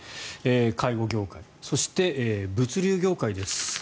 介護業界そして物流業界です。